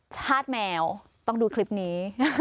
ชาติแมวต้องดูคลิปนี้